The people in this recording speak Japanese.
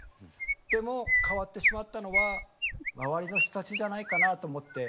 でも変わってしまったのは周りの人たちじゃないかなと思って。